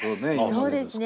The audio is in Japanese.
そうですね。